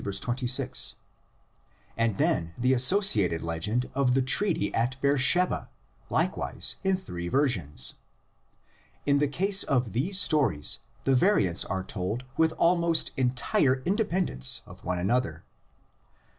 26), and then the associated legend of the treaty at Beersheba, likewise in three versions. In the case of these stories the variants are told with almost entire independence of one another.